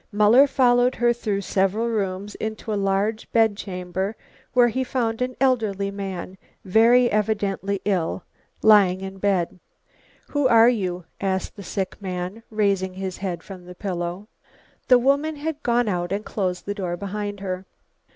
Muller followed her through several rooms into a large bed chamber where he found an elderly man, very evidently ill, lying in bed. "Who are you?" asked the sick man, raising his head from the pillow. The woman had gone out and closed the door behind her.